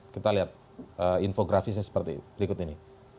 kita lihat infografisnya seperti berikut ini